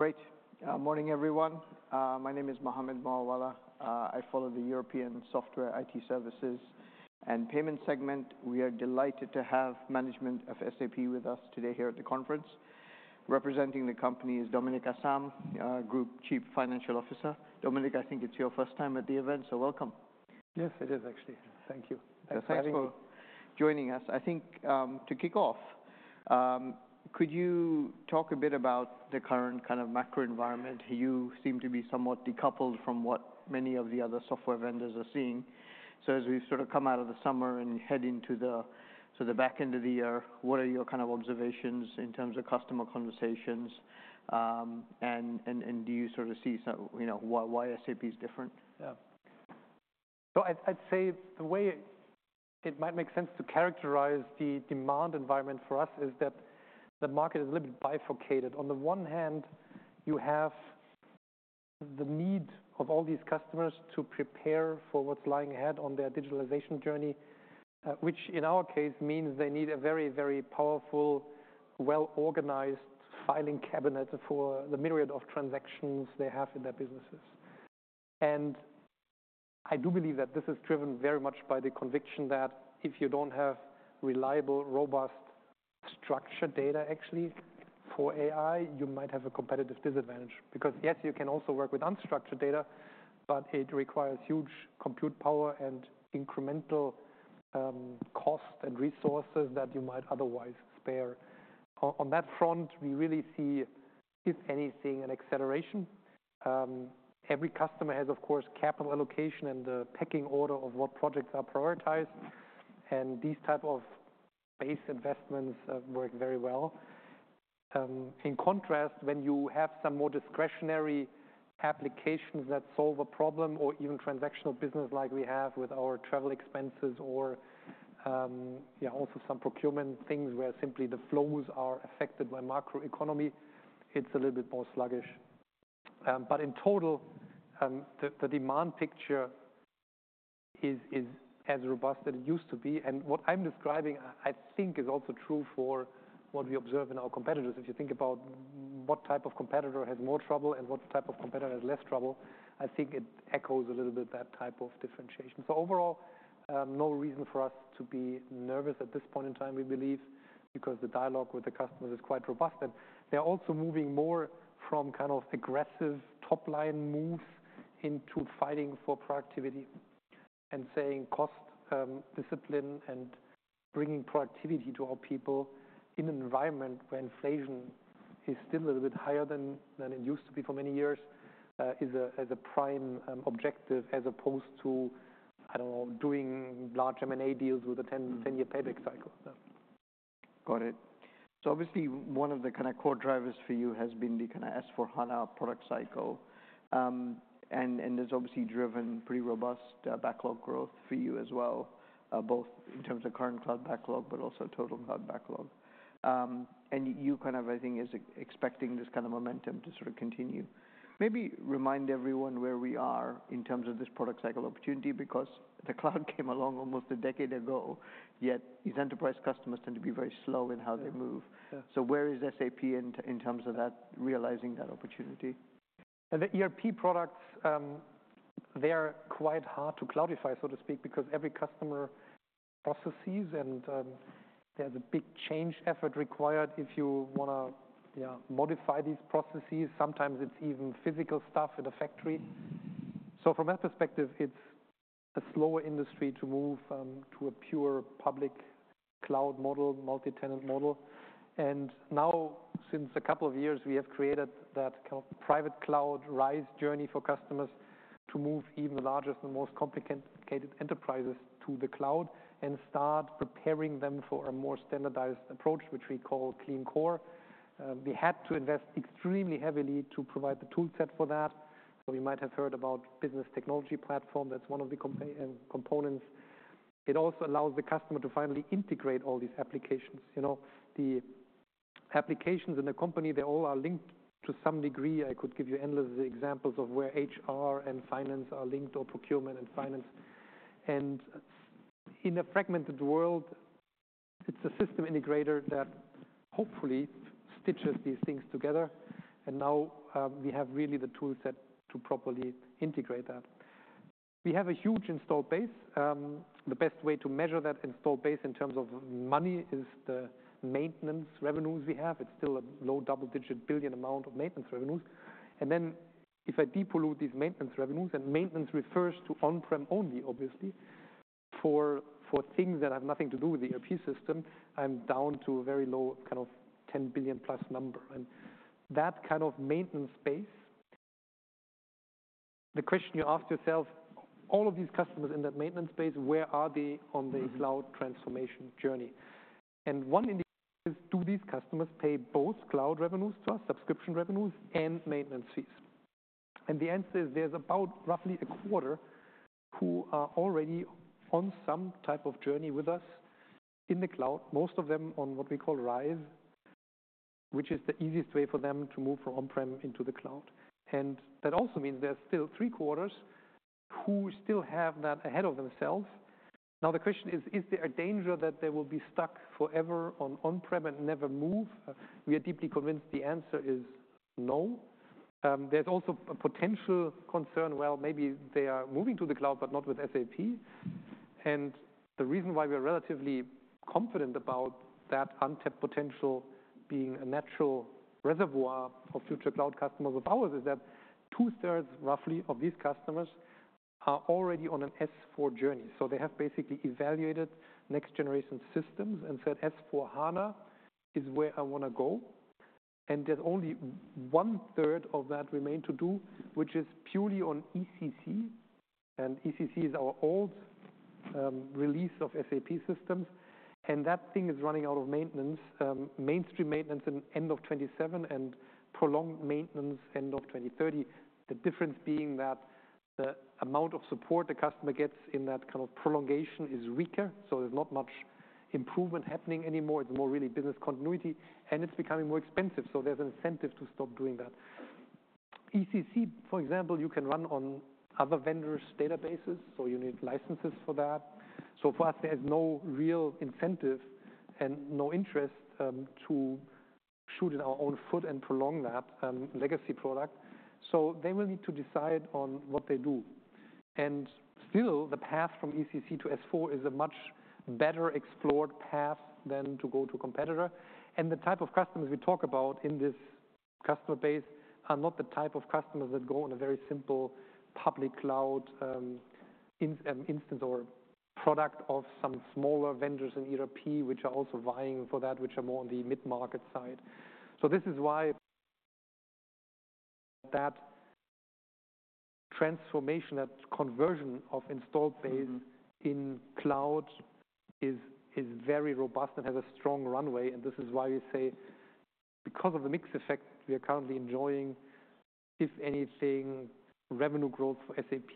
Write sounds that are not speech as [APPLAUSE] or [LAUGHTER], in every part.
Great. Morning, everyone. My name is Mohammed Moawalla. I follow the European software IT services and payment segment. We are delighted to have management of SAP with us today here at the conference. Representing the company is Dominik Asam, Group Chief Financial Officer. Dominik, I think it's your first time at the event, so welcome. Yes, it is actually. Thank you. Thanks for having me. Thanks for joining us. I think, to kick off, could you talk a bit about the current kind of macro environment? You seem to be somewhat decoupled from what many of the other software vendors are seeing. So as we sort of come out of the summer and head into the, so the back end of the year, what are your kind of observations in terms of customer conversations, and do you sort of see some, you know, why SAP is different? Yeah, so I'd say the way it might make sense to characterize the demand environment for us is that the market is a little bit bifurcated. On the one hand, you have the need of all these customers to prepare for what's lying ahead on their digitalization journey, which in our case, means they need a very, very powerful, well-organized filing cabinet for the myriad of transactions they have in their businesses. And I do believe that this is driven very much by the conviction that if you don't have reliable, robust, structured data actually for AI, you might have a competitive disadvantage. Because, yes, you can also work with unstructured data, but it requires huge compute power and incremental, cost and resources that you might otherwise spare. On that front, we really see, if anything, an acceleration. Every customer has, of course, capital allocation and the pecking order of what projects are prioritized, and these type of base investments work very well. In contrast, when you have some more discretionary applications that solve a problem or even transactional business like we have with our travel expenses or, yeah, also some procurement things where simply the flows are affected by macroeconomy, it's a little bit more sluggish. But in total, the demand picture is as robust as it used to be. And what I'm describing, I think, is also true for what we observe in our competitors. If you think about what type of competitor has more trouble and what type of competitor has less trouble, I think it echoes a little bit that type of differentiation. Overall, no reason for us to be nervous at this point in time, we believe, because the dialogue with the customers is quite robust. They're also moving more from kind of aggressive top-line moves into fighting for productivity and saying cost discipline and bringing productivity to our people in an environment where inflation is still a little bit higher than it used to be for many years is a prime objective, as opposed to, I don't know, doing large M&A deals with a 10-year payback cycle. Got it, so obviously, one of the kind of core drivers for you has been the kind of S/4HANA product cycle, and it's obviously driven pretty robust backlog growth for you as well, both in terms of current cloud backlog, but also total cloud backlog, and you kind of, I think, is expecting this kind of momentum to sort of continue. Maybe remind everyone where we are in terms of this product cycle opportunity, because the cloud came along almost a decade ago, yet these enterprise customers tend to be very slow in how they move. Yeah. So where is SAP in terms of that, realizing that opportunity? The ERP products, they are quite hard to cloudify, so to speak, because every customer processes and, there's a big change effort required if you want to, yeah, modify these processes. Sometimes it's even physical stuff in a factory. So from that perspective, it's a slower industry to move, to a pure public cloud model, multi-tenant model. And now, since a couple of years, we have created that kind of private cloud RISE journey for customers to move even the largest and most complicated enterprises to the cloud and start preparing them for a more standardized approach, which we call Clean Core. We had to invest extremely heavily to provide the toolset for that. So you might have heard about Business Technology Platform. That's one of the components. It also allows the customer to finally integrate all these applications. You know, the applications in the company, they all are linked to some degree. I could give you endless examples of where HR and finance are linked, or procurement and finance. And in a fragmented world, it's a system integrator that hopefully stitches these things together, and now we have really the toolset to properly integrate that. We have a huge installed base. The best way to measure that installed base in terms of money is the maintenance revenues we have. It's still a low double-digit billion amount of maintenance revenues. And then if I depollute these maintenance revenues, and maintenance refers to on-prem only, obviously, for things that have nothing to do with the ERP system, I'm down to a very low, kind of, 10+ billion number. And that kind of maintenance base. The question you ask yourself, all of these customers in that maintenance base, where are they on the cloud transformation journey? And one indicator is, do these customers pay both cloud revenues to our subscription revenues and maintenance fees? And the answer is, there's about roughly a quarter who are already on some type of journey with us in the cloud, most of them on what we call RISE, which is the easiest way for them to move from on-prem into the cloud. And that also means there are still three-quarters who still have that ahead of themselves. Now, the question is: Is there a danger that they will be stuck forever on on-prem and never move? We are deeply convinced the answer is no. There's also a potential concern, well, maybe they are moving to the cloud, but not with SAP. And the reason why we are relatively confident about that untapped potential being a natural reservoir for future cloud customers of ours, is that 2/3, roughly, of these customers are already on an S/4 journey. So they have basically evaluated next generation systems and said, "S/4HANA is where I want to go." And there's only 1/3 of that remain to do, which is purely on ECC, and ECC is our old release of SAP systems, and that thing is running out of maintenance, mainstream maintenance in end of 2027, and prolonged maintenance end of 2030. The difference being that the amount of support the customer gets in that kind of prolongation is weaker, so there's not much improvement happening anymore. It's more really business continuity, and it's becoming more expensive, so there's an incentive to stop doing that. ECC, for example, you can run on other vendors' databases, so you need licenses for that. So for us, there is no real incentive and no interest, to shoot in our own foot and prolong that, legacy product. So they will need to decide on what they do. And still, the path from ECC to S/4 is a much better explored path than to go to a competitor. And the type of customers we talk about in this customer base are not the type of customers that go on a very simple public cloud, in, instance or product of some smaller vendors in Europe, which are also vying for that, which are more on the mid-market side. So this is why that transformation, that conversion of installed base- Mm-hmm. In cloud is very robust and has a strong runway. And this is why we say, because of the mix effect we are currently enjoying, if anything, revenue growth for SAP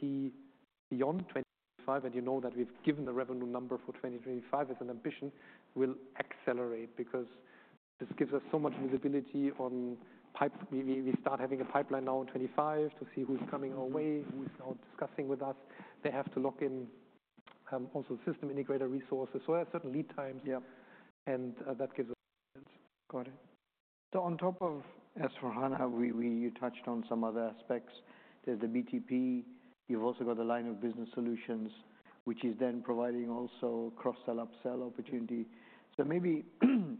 beyond 2025, and you know that we've given the revenue number for 2025 as an ambition, will accelerate. Because this gives us so much visibility on pipeline. We start having a pipeline now in 2025 to see who's coming our way, who's now discussing with us. They have to lock in also system integrator resources, so there are certain lead times. Yeah. And, that gives us- Got it. So on top of S/4HANA, you touched on some other aspects. There's the BTP. You've also got the line of business solutions, which is then providing also cross-sell, upsell opportunity. So maybe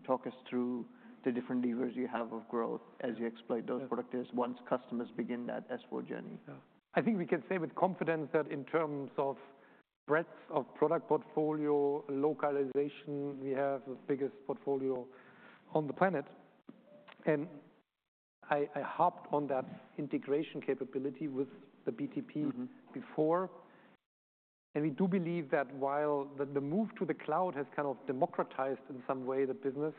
talk us through the different levers you have of growth as you exploit those products once customers begin that S/4 journey. Yeah. I think we can say with confidence that in terms of breadth of product portfolio, localization, we have the biggest portfolio on the planet. And I, I harped on that integration capability with the BTP- Mm-hmm... before. And we do believe that while the move to the cloud has kind of democratized, in some way, the business,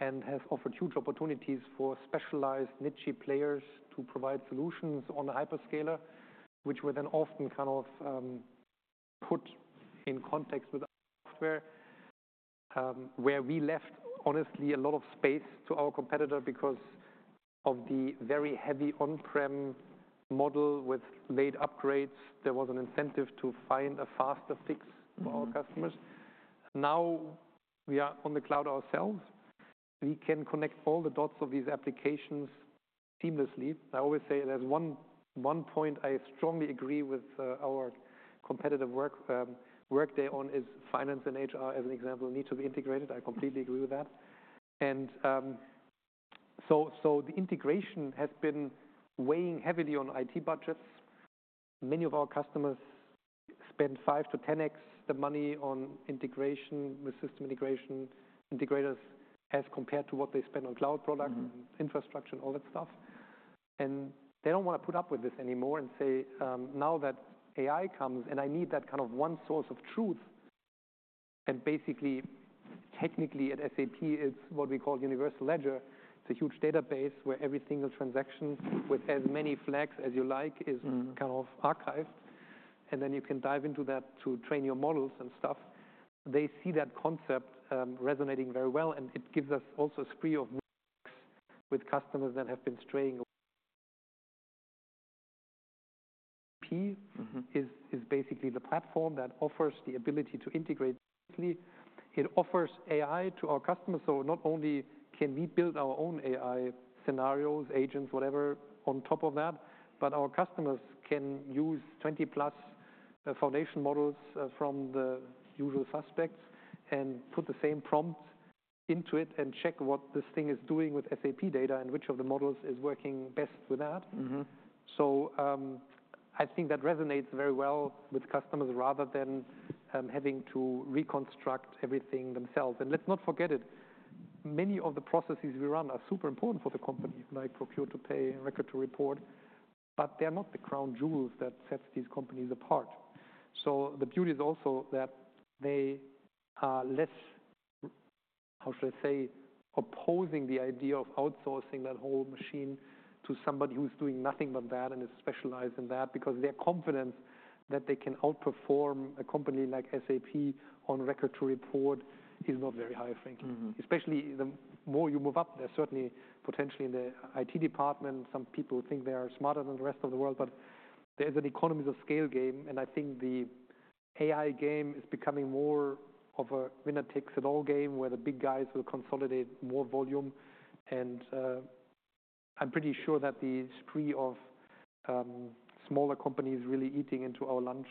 and has offered huge opportunities for specialized niche players to provide solutions on the hyperscaler, which were then often kind of put in context with our software, where we left, honestly, a lot of space to our competitor because of the very heavy on-prem model with late upgrades. There was an incentive to find a faster fix- Mm-hmm... for our customers. Now, we are on the cloud ourselves. We can connect all the dots of these applications seamlessly. I always say there's one point I strongly agree with, our competitor Workday on is finance and HR, as an example, need to be integrated. I completely agree with that. So the integration has been weighing heavily on IT budgets. Many of our customers spend five to 10 times the money on integration with system integrators, as compared to what they spend on cloud product- Mm-hmm... infrastructure and all that stuff. And they don't want to put up with this anymore and say, now that AI comes and I need that kind of one source of truth, and basically, technically at SAP, it's what we call Universal Ledger. It's a huge database where every single transaction with as many flags as you like is- Mm-hmm... kind of archived, and then you can dive into that to train your models and stuff. They see that concept resonating very well, and it gives us also a [AUDIO DISTORTION] with customers that have been straying away. Mm-hmm... is basically the platform that offers the ability to integrate. It offers AI to our customers, so not only can we build our own AI scenarios, agents, whatever, on top of that, but our customers can use twenty-plus foundation models from the usual suspects and put the same prompt into it and check what this thing is doing with SAP data and which of the models is working best with that. Mm-hmm. So, I think that resonates very well with customers rather than having to reconstruct everything themselves. And let's not forget it, many of the processes we run are super important for the company, like procure to pay and record to report, but they are not the crown jewels that sets these companies apart. So the beauty is also that they are less, how should I say, opposing the idea of outsourcing that whole machine to somebody who's doing nothing but that and is specialized in that, because their confidence that they can outperform a company like SAP on record to report is not very high, I think. Mm-hmm. Especially the more you move up there, certainly potentially in the IT department, some people think they are smarter than the rest of the world, but there's an economies of scale game, and I think the AI game is becoming more of a winner-takes-it-all game, where the big guys will consolidate more volume. And I'm pretty sure that the spree of smaller companies really eating into our lunch,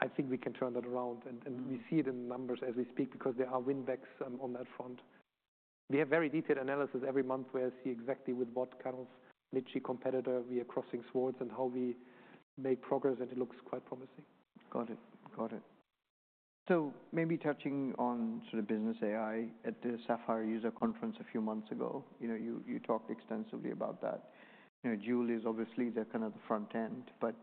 I think we can turn that around. And we see it in the numbers as we speak, because there are win-backs on that front. We have very detailed analysis every month, where I see exactly with what kind of niche competitor we are crossing swords and how we make progress, and it looks quite promising. Got it. Got it. So maybe touching on sort of business AI at the Sapphire user conference a few months ago, you know, you talked extensively about that. You know, Joule is obviously the kind of front end, but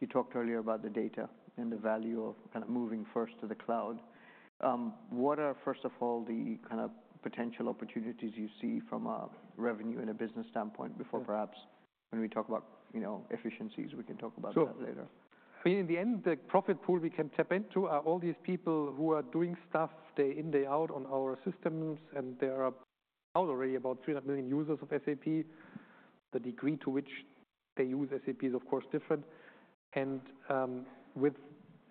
you talked earlier about the data and the value of kind of moving first to the cloud. What are, first of all, the kind of potential opportunities you see from a revenue and a business standpoint before perhaps when we talk about, you know, efficiencies, we can talk about that later? So in the end, the profit pool we can tap into are all these people who are doing stuff day in, day out on our systems, and there are already about 300 million users of SAP. The degree to which they use SAP is, of course, different. And, with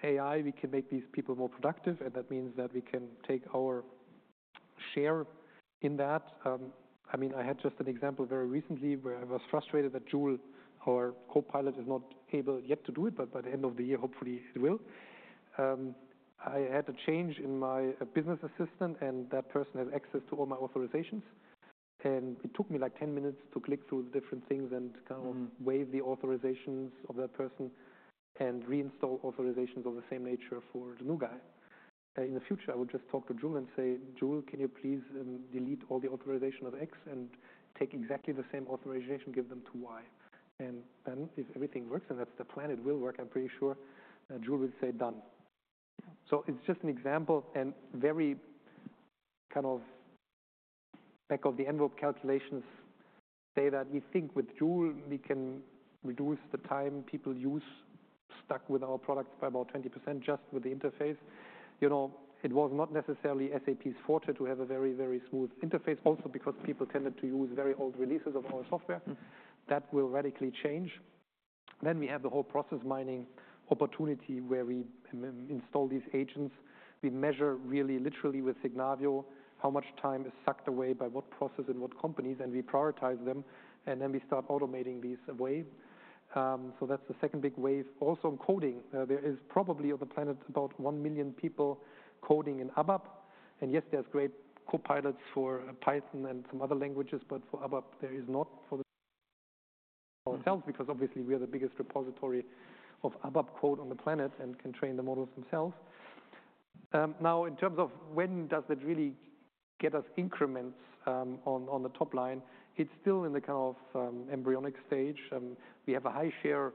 AI, we can make these people more productive, and that means that we can take our share in that. I mean, I had just an example very recently where I was frustrated that Joule, our copilot, is not able yet to do it, but by the end of the year, hopefully it will. I had a change in my business assistant, and that person has access to all my authorizations, and it took me, like, 10 minutes to click through the different things and kind of- Mm-hmm... waive the authorizations of that person and reinstall authorizations of the same nature for the new guy. In the future, I would just talk to Joule and say, "Joule, can you please, delete all the authorization of X and take exactly the same authorization, give them to Y?", and then if everything works, and that's the plan, it will work, I'm pretty sure, Joule will say, "Done.", so it's just an example, and very kind of back-of-the-envelope calculations say that we think with Joule, we can reduce the time people use, stuck with our products, by about 20%, just with the interface. You know, it was not necessarily SAP's forte to have a very, very smooth interface, also because people tended to use very old releases of our software. Mm-hmm. That will radically change. Then we have the whole process mining opportunity, where we install these agents. We measure really literally with Signavio, how much time is sucked away by what process and what companies, and we prioritize them, and then we start automating these away. So that's the second big wave. Also, in coding, there is probably on the planet about one million people coding in ABAP. And yes, there's great copilots for Python and some other languages, but for ABAP, there is not for themselves, because obviously we are the biggest repository of ABAP code on the planet and can train the models themselves. Now, in terms of when does it really get us increments, on, on the top line, it's still in the kind of, embryonic stage. We have a high share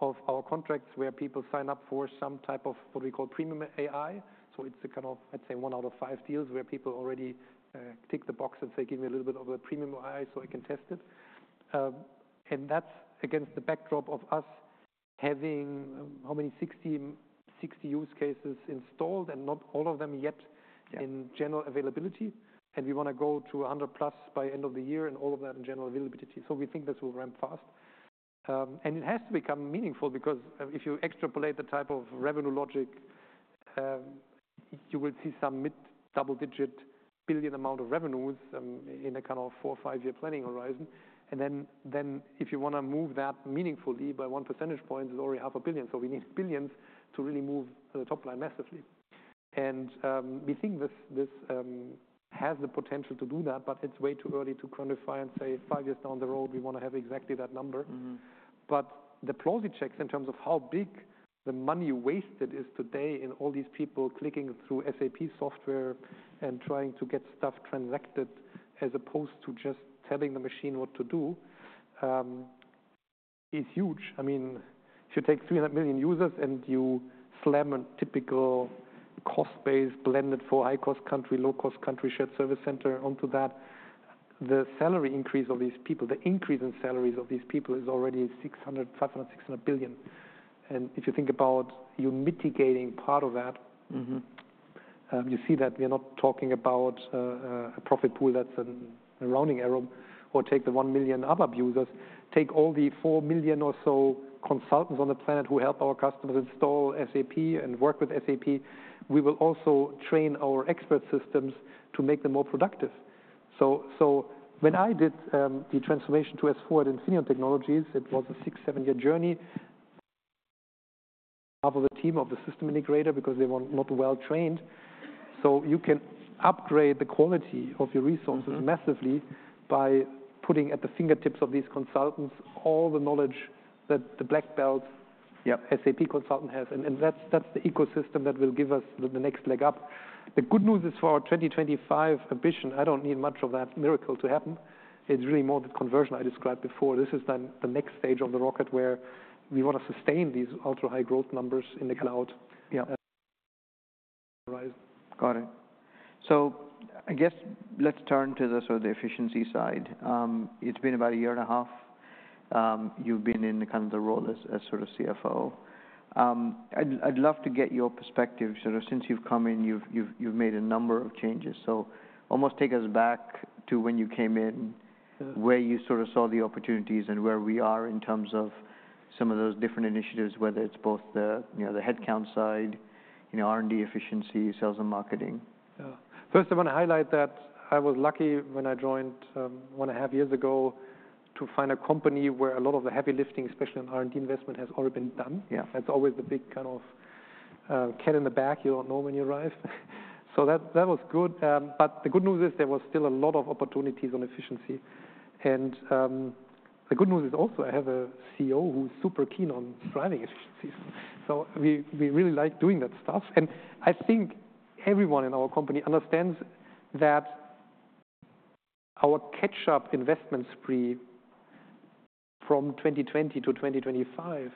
of our contracts, where people sign up for some type of what we call premium AI. So it's a kind of, I'd say, one out of five deals, where people already tick the box and say, "Give me a little bit of a premium AI so I can test it." And that's against the backdrop of us having, how many? 60 use cases installed, and not all of them yet- Yeah... in general availability. And we want to go to a 100+ by end of the year, and all of that in general availability. So we think this will ramp fast. And it has to become meaningful because, if you extrapolate the type of revenue logic, you will see some mid-double-digit billion amount of revenues, in a kind of four or five-year planning horizon. And then if you want to move that meaningfully by one percentage point, it's already €500 million. So we need billions to really move the top line massively. And, we think this has the potential to do that, but it's way too early to quantify and say, "Five years down the road, we want to have exactly that number. Mm-hmm. But the plausi checks in terms of how big the money wasted is today in all these people clicking through SAP software and trying to get stuff transacted, as opposed to just telling the machine what to do, is huge. I mean, if you take three hundred million users and you slam a typical cost base blended for high-cost country, low-cost country, shared service center onto that, the salary increase of these people, the increase in salaries of these people is already six hundred, five hundred, six hundred billion. And if you think about you mitigating part of that- Mm-hmm... you see that we are not talking about a profit pool that's a rounding error, or take the one million ABAP users, take all the four million or so consultants on the planet who help our customers install SAP and work with SAP. We will also train our expert systems to make them more productive. So when I did the transformation to S/4 at Infineon Technologies, it was a six, seven-year journey. Half of the team of the system integrator, because they were not well trained, so you can upgrade the quality of your resources- Mm-hmm... massively by putting at the fingertips of these consultants all the knowledge that the black belt- Yeah... SAP consultant has, and that's the ecosystem that will give us the next leg up. The good news is, for our 2025 ambition, I don't need much of that miracle to happen. It's really more the conversion I described before. This is then the next stage of the rocket, where we want to sustain these ultra-high growth numbers in the cloud- Yeah -uh, rise. Got it. So I guess let's turn to the sort of the efficiency side. It's been about a year and a half, you've been in kind of the role as, as sort of CFO. I'd love to get your perspective, sort of since you've come in, you've made a number of changes. So almost take us back to when you came in... where you sort of saw the opportunities and where we are in terms of some of those different initiatives, whether it's both the, you know, the headcount side, you know, R&D efficiency, sales and marketing. Yeah. First, I want to highlight that I was lucky when I joined one and a half years ago, to find a company where a lot of the heavy lifting, especially in R&D investment, has already been done. Yeah. That's always the big kind of cat in the bag you don't know when you arrive. So that, that was good. But the good news is there was still a lot of opportunities on efficiency. And the good news is also, I have a CEO who's super keen on driving efficiencies, so we, we really like doing that stuff. And I think everyone in our company understands that our catch-up investment spree from 2020 to 2025,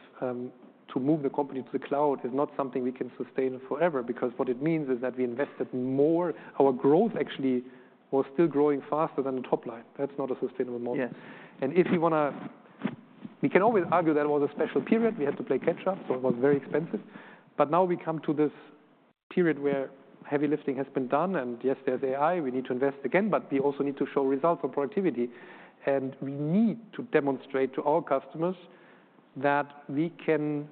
to move the company to the cloud, is not something we can sustain forever. Because what it means is that we invested more. Our growth actually was still growing faster than the top line. That's not a sustainable model. Yes. If you wanna, we can always argue that it was a special period. We had to play catch up, so it was very expensive, but now we come to this period where heavy lifting has been done, and yes, there's AI, we need to invest again, but we also need to show results for productivity, and we need to demonstrate to our customers that we can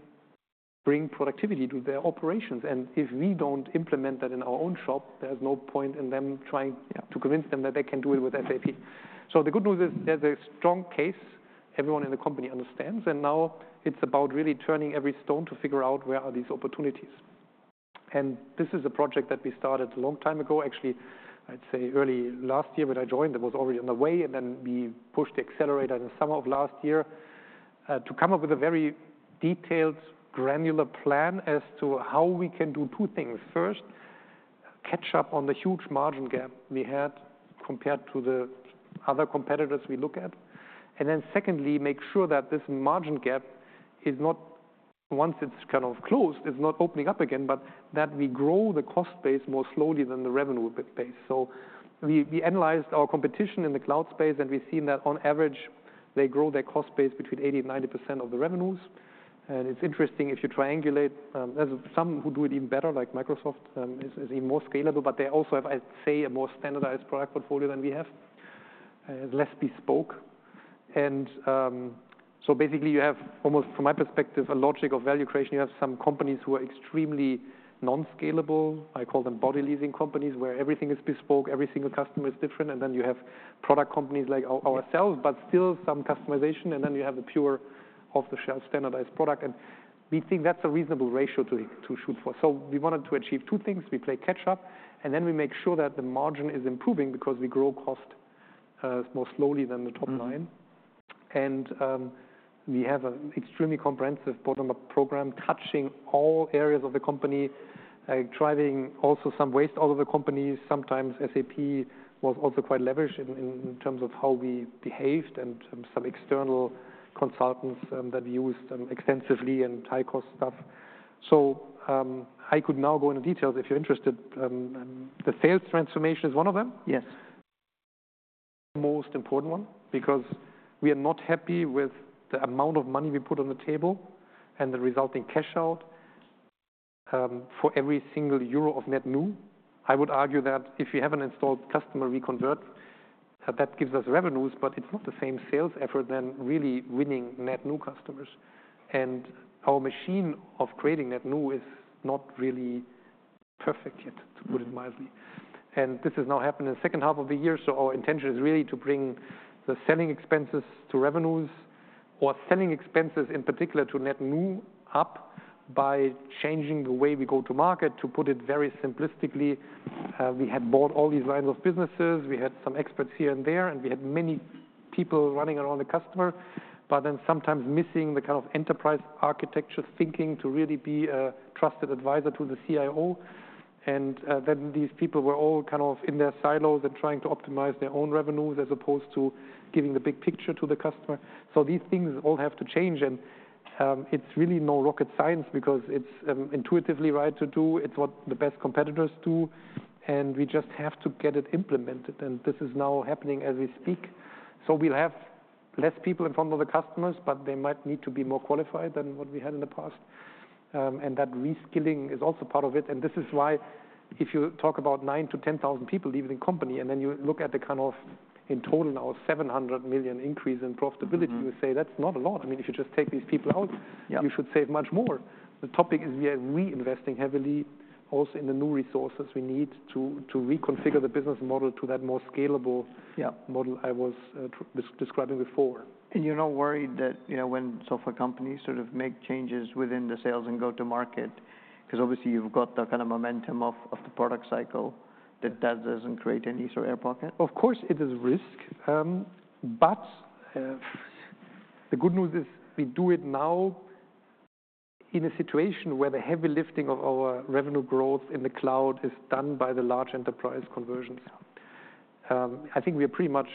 bring productivity to their operations, and if we don't implement that in our own shop, there's no point in them trying. Yeah... to convince them that they can do it with SAP. So the good news is, there's a strong case everyone in the company understands, and now it's about really turning every stone to figure out where are these opportunities. And this is a project that we started a long time ago, actually, I'd say early last year, when I joined, it was already on the way, and then we pushed the accelerator in the summer of last year, to come up with a very detailed, granular plan as to how we can do two things. First, catch up on the huge margin gap we had compared to the other competitors we look at. And then secondly, make sure that this margin gap is not once it's kind of closed, it's not opening up again, but that we grow the cost base more slowly than the revenue base. So we analyzed our competition in the cloud space, and we've seen that on average, they grow their cost base between 80% and 90% of the revenues. And it's interesting, if you triangulate, there's some who do it even better, like Microsoft, is even more scalable, but they also have, I'd say, a more standardized product portfolio than we have, less bespoke. And so basically you have almost, from my perspective, a logic of value creation. You have some companies who are extremely non-scalable. I call them body leasing companies, where everything is bespoke, every single customer is different. And then you have product companies like ourselves, but still some customization, and then you have the pure, off-the-shelf, standardized product. And we think that's a reasonable ratio to shoot for. So we wanted to achieve two things: We play catch up, and then we make sure that the margin is improving because we grow cost more slowly than the top line. Mm-hmm. We have an extremely comprehensive bottom-up program touching all areas of the company, driving also some waste out of the company. Sometimes SAP was also quite leveraged in terms of how we behaved, and some external consultants that used extensively and high-cost stuff. I could now go into details if you're interested. The sales transformation is one of them. Yes. Most important one, because we are not happy with the amount of money we put on the table and the resulting cash out, for every single Euro of net new. I would argue that if you have an installed customer, we convert, that gives us revenues, but it's not the same sales effort than really winning net new customers. And our machine of creating net new is not really perfect yet, to put it mildly. And this is now happening in the second half of the year, so our intention is really to bring the selling expenses to revenues or selling expenses, in particular, to net new up by changing the way we go to market. To put it very simplistically, we had bought all these lines of businesses, we had some experts here and there, and we had many people running around the customer, but then sometimes missing the kind of enterprise architecture thinking to really be a trusted advisor to the CIO, and then these people were all kind of in their silos and trying to optimize their own revenues, as opposed to giving the big picture to the customer, so these things all have to change, and it's really no rocket science because it's intuitively right to do. It's what the best competitors do, and we just have to get it implemented, and this is now happening as we speak, so we'll have less people in front of the customers, but they might need to be more qualified than what we had in the past. And that reskilling is also part of it. And this is why if you talk about 9,000-10,000 people leaving the company, and then you look at the kind of, in total, now 700 million increase in profitability- Mm-hmm... you say, "That's not a lot. I mean, if you just take these people out- Yeah... you should save much more." The topic is we are reinvesting heavily also in the new resources we need to reconfigure the business model to that more scalable- Yeah... model I was describing before. You're not worried that, you know, when software companies sort of make changes within the sales and go to market, because obviously you've got the kind of momentum of the product cycle, that doesn't create any sort of air pocket? Of course, it is a risk, but the good news is we do it now in a situation where the heavy lifting of our revenue growth in the cloud is done by the large enterprise conversions. Yeah. I think we are pretty much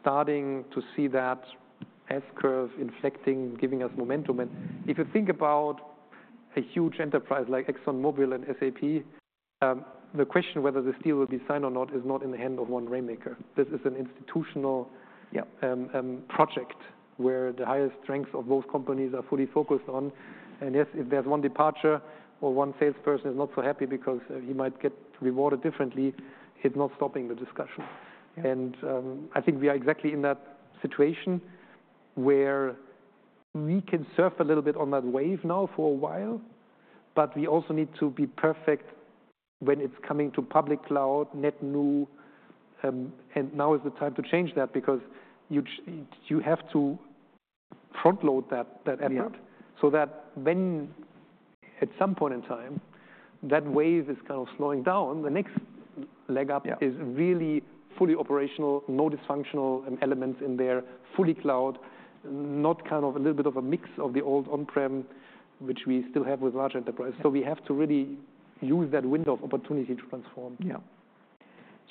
starting to see that S-curve inflecting, giving us momentum, and if you think about a huge enterprise like ExxonMobil and SAP, the question whether this deal will be signed or not is not in the hand of one rainmaker. This is an institutional- Yeah... project where the highest strengths of both companies are fully focused on. Yes, if there's one departure or one salesperson is not so happy because he might get rewarded differently, it's not stopping the discussion. I think we are exactly in that situation where we can surf a little bit on that wave now for a while, but we also need to be perfect when it's coming to public cloud, net new. Now is the time to change that, because you have to front-load that effort- Yeah. so that when, at some point in time, that wave is kind of slowing down, the next leg up Yeah... is really fully operational, no dysfunctional elements in there, fully cloud, not kind of a little bit of a mix of the old on-prem, which we still have with large enterprise. Yeah. So we have to really use that window of opportunity to transform. Yeah.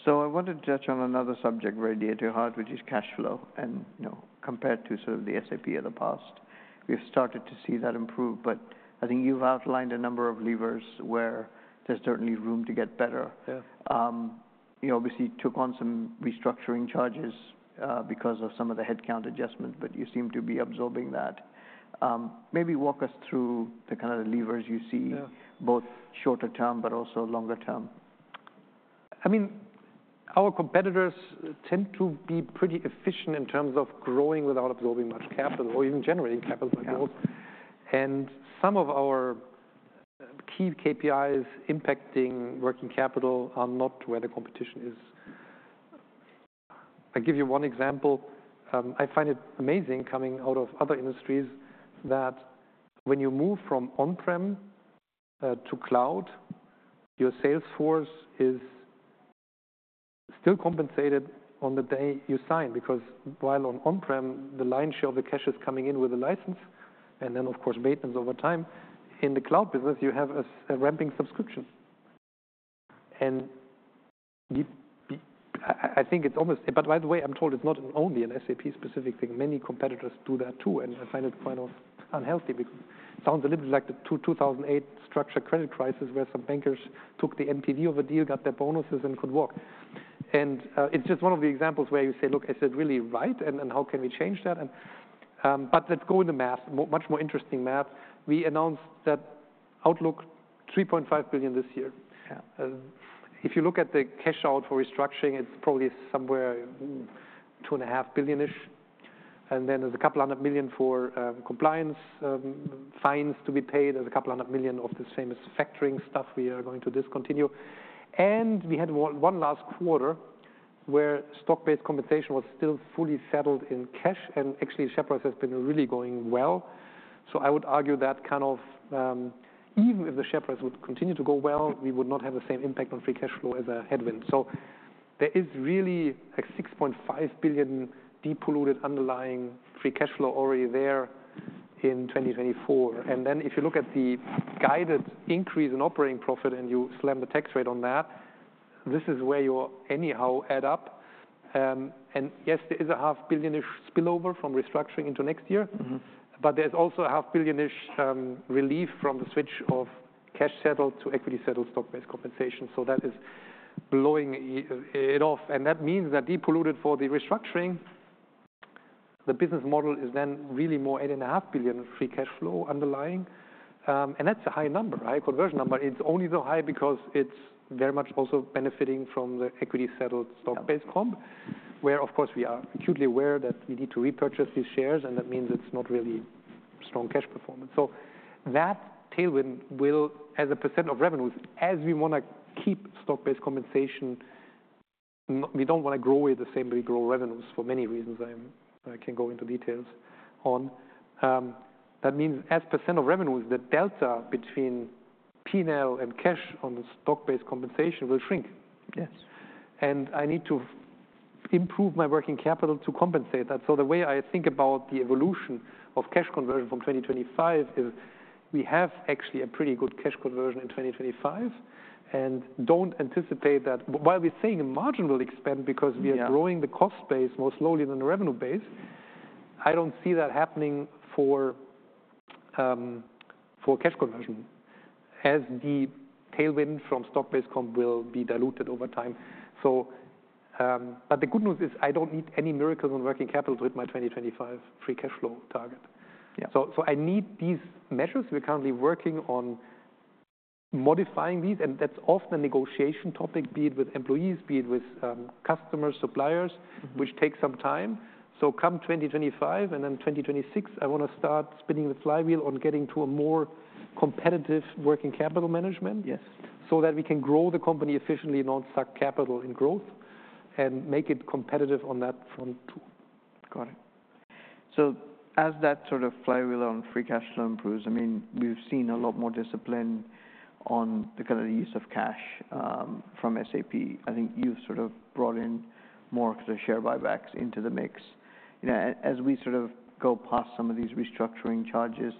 So I want to touch on another subject very dear to your heart, which is cash flow. And, you know, compared to sort of the SAP of the past, we've started to see that improve. But I think you've outlined a number of levers where there's certainly room to get better. Yeah. You obviously took on some restructuring charges because of some of the headcount adjustment, but you seem to be absorbing that. Maybe walk us through the kind of levers you see- Yeah... both shorter term, but also longer term. I mean, our competitors tend to be pretty efficient in terms of growing without absorbing much capital or even generating capital. Yeah. And some of our key KPIs impacting working capital are not where the competition is. I'll give you one example. I find it amazing, coming out of other industries, that when you move from on-prem to cloud, your sales force is still compensated on the day you sign. Because while on-prem, the lion's share of the cash is coming in with a license, and then, of course, maintenance over time. In the cloud business, you have a ramping subscription. But by the way, I'm told it's not only an SAP-specific thing. Many competitors do that, too, and I find it kind of unhealthy because it sounds a little bit like the two thousand and eight structured credit crisis, where some bankers took the up-front of a deal, got their bonuses, and could walk. It's just one of the examples where you say: "Look, is it really right, and, and how can we change that?" Let's go in the math, much more interesting math. We announced that outlook 3.5 billion this year. Yeah. If you look at the cash out for restructuring, it's probably somewhere 2.5 billion-ish. And then there's a couple of hundred million for compliance fines to be paid. There's a couple of hundred million of the same as factoring stuff we are going to discontinue. And we had one last quarter where stock-based compensation was still fully settled in cash, and actually, share price has been really going well. So I would argue that, kind of, even if the share price would continue to go well, we would not have the same impact on free cash flow as a headwind. So there is really a 6.5 billion depolluted underlying free cash flow already there in 2024. And then, if you look at the guided increase in operating profit and you slam the tax rate on that, this is where you anyhow add up. And yes, there is a 500 million-ish spillover from restructuring into next year. Mm-hmm. But there's also a 500 million-ish relief from the switch of cash-settled to equity-settled stock-based compensation, so that is blowing it off. And that means that adjusted for the restructuring, the business model is then really more 8.5 billion free cash flow underlying. And that's a high number, right? Conversion number. It's only so high because it's very much also benefiting from the equity-settled stock- Yeah ...-based comp, where, of course, we are acutely aware that we need to repurchase these shares, and that means it's not really strong cash performance. So that tailwind will, as a % of revenues, as we want to keep stock-based compensation, and we don't want to grow it the same way we grow revenues for many reasons, I'm. I can go into details on. That means as % of revenues, the delta between P&L and cash on the stock-based compensation will shrink. Yes. I need to improve my working capital to compensate that. The way I think about the evolution of cash conversion from 2025 is we have actually a pretty good cash conversion in 2025, and don't anticipate that. While we're saying margin will expand because- Yeah... we are growing the cost base more slowly than the revenue base. I don't see that happening for cash conversion, as the tailwind from stock-based comp will be diluted over time. So, but the good news is, I don't need any miracles on working capital to hit my 2025 free cash flow target. Yeah. So, so I need these measures. We're currently working on modifying these, and that's often a negotiation topic, be it with employees, be it with, customers, suppliers- Mm-hmm... which takes some time. So come 2025, and then 2026, I want to start spinning the flywheel on getting to a more competitive working capital management- Yes... so that we can grow the company efficiently and not suck capital in growth, and make it competitive on that front, too. Got it. So as that sort of flywheel on free cash flow improves, I mean, we've seen a lot more discipline on the kind of use of cash from SAP. I think you've sort of brought in more of the share buybacks into the mix. You know, as we sort of go past some of these restructuring charges,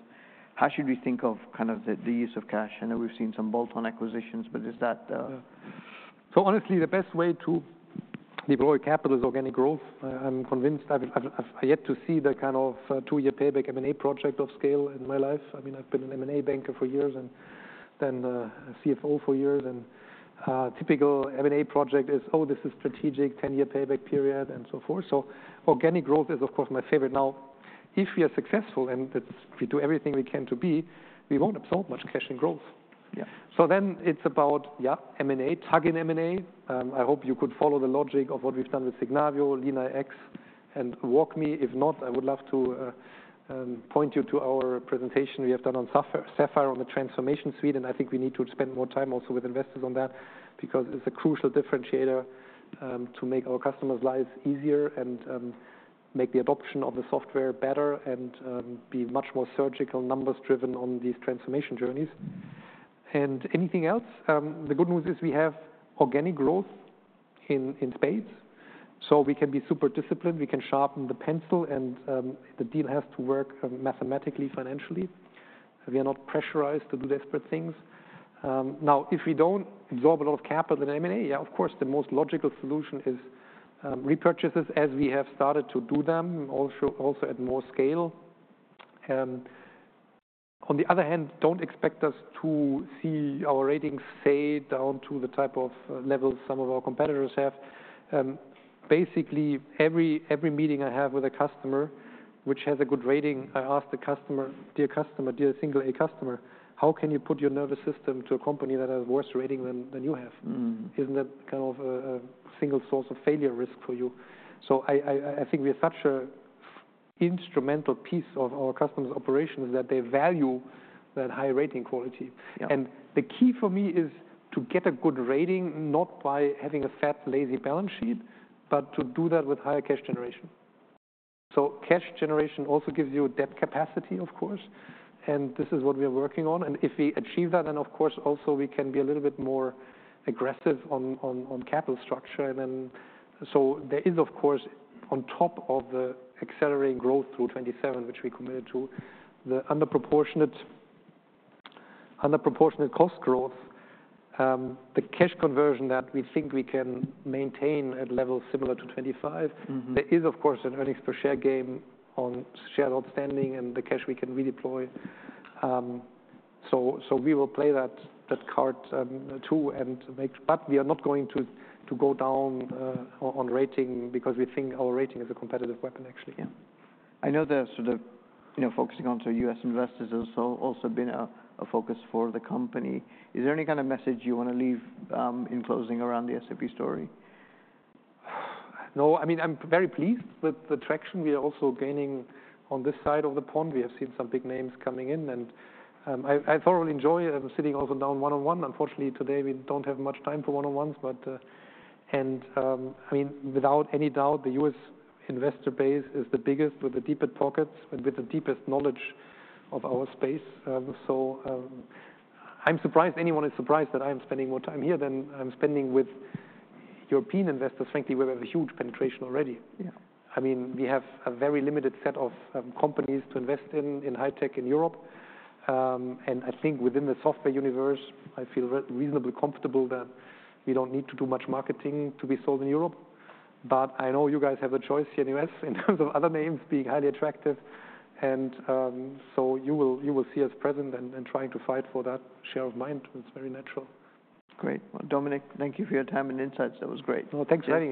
how should we think of, kind of, the use of cash? I know we've seen some bolt-on acquisitions, but is that, So honestly, the best way to deploy capital is organic growth. I'm convinced. I've yet to see the kind of two-year payback M&A project of scale in my life. I mean, I've been an M&A banker for years, and then a CFO for years, and typical M&A project is, "Oh, this is strategic, 10-year payback period," and so forth. So organic growth is, of course, my favorite. Now, if we are successful, and that's we do everything we can to be, we won't absorb much cash in growth. So then it's about M&A, tuck-in M&A. I hope you could follow the logic of what we've done with Signavio, LeanIX, and WalkMe. If not, I would love to point you to our presentation we have done on Sapphire, on the transformation suite, and I think we need to spend more time also with investors on that, because it's a crucial differentiator, to make our customers' lives easier and, make the adoption of the software better and, be much more surgical, numbers-driven on these transformation journeys. Anything else? The good news is we have organic growth in spades, so we can be super disciplined. We can sharpen the pencil, and the deal has to work mathematically, financially. We are not pressurized to do desperate things. Now, if we don't absorb a lot of capital in M&A, yeah, of course, the most logical solution is repurchases, as we have started to do them, also at more scale. On the other hand, don't expect us to see our ratings fade down to the type of levels some of our competitors have. Basically, every meeting I have with a customer which has a good rating, I ask the customer, "Dear customer, dear single A customer, how can you put your nervous system to a company that has worse rating than you have? Mm-hmm. Isn't that kind of a single source of failure risk for you?" So I think we are such an instrumental piece of our customers' operations, that they value that high-rating quality. Yeah. And the key for me is to get a good rating, not by having a fat, lazy balance sheet, but to do that with higher cash generation. So cash generation also gives you debt capacity, of course, and this is what we are working on. And if we achieve that, then, of course, also we can be a little bit more aggressive on capital structure. And then, so there is, of course, on top of the accelerating growth through 2027, which we committed to, the under proportionate cost growth, the cash conversion that we think we can maintain at levels similar to 2025. Mm-hmm. There is, of course, an earnings per share game on share outstanding and the cash we can redeploy. So we will play that card too, and make-- But we are not going to go down on rating, because we think our rating is a competitive weapon, actually. Yeah. I know the sort of, you know, focusing on the U.S. investors has also been a focus for the company. Is there any kind of message you want to leave in closing around the SAP story? No. I mean, I'm very pleased with the traction we are also gaining on this side of the pond. We have seen some big names coming in, and I thoroughly enjoy it. I'm sitting also down one-on-one. Unfortunately, today we don't have much time for one-on-ones, but... and I mean, without any doubt, the U.S. investor base is the biggest, with the deepest pockets and with the deepest knowledge of our space. So, I'm surprised anyone is surprised that I'm spending more time here than I'm spending with European investors. Frankly, we have a huge penetration already. Yeah. I mean, we have a very limited set of companies to invest in, in high tech in Europe, and I think within the software universe, I feel reasonably comfortable that we don't need to do much marketing to be sold in Europe. But I know you guys have a choice here in the U.S. in terms of other names being highly attractive, and so you will see us present and trying to fight for that share of mind. It's very natural. Great. Well, Dominik, thank you for your time and insights. That was great. Thank you very much.